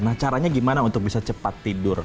nah caranya gimana untuk bisa cepat tidur